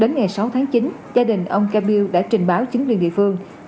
đến ngày sáu tháng chín gia đình ông ca biu đã trình báo chính liên địa phương